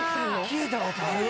聞いたことある。